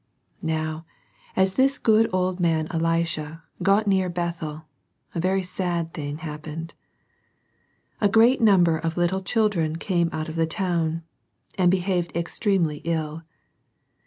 Now as this good old man Elisha got near Bethel, a very sad thing happened. A great number of little children came out of the town, and behaved extremely ill.